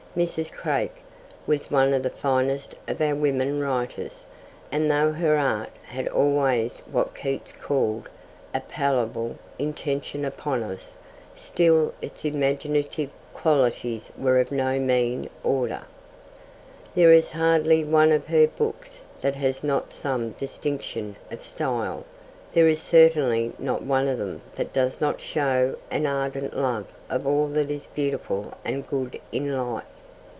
Mrs. Craik was one of the finest of our women writers, and though her art had always what Keats called 'a palpable intention upon one,' still its imaginative qualities were of no mean order. There is hardly one of her books that has not some distinction of style; there is certainly not one of them that does not show an ardent love of all that is beautiful and good in life.